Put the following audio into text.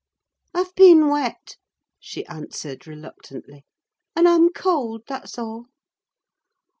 "I've been wet," she answered reluctantly, "and I'm cold, that's all."